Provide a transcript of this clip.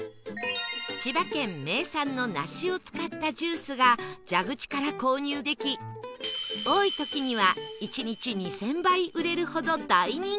千葉県名産の梨を使ったジュースが蛇口から購入でき多い時には１日２０００杯売れるほど大人気なんだそう